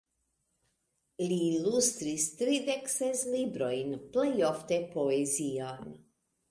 Li ilustris tridek ses librojn, plej ofte poezion.